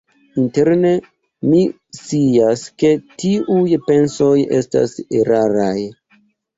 Interne mi scias ke tiuj pensoj estas eraraj.